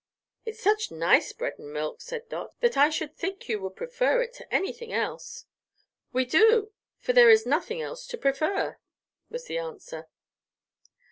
"It's such nice bread and milk," said Dot, "that I should think you would prefer it to anything else." "We do, for there's nothing else to prefer," was the answer.